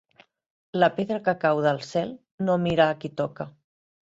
La pedra que cau del cel no mira a qui toca.